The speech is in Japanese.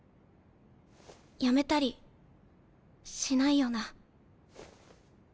やめたりしないよな？